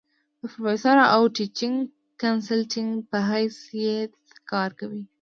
د پروفيسر او ټيچنګ کنسلټنټ پۀ حېث يت کار کوي ۔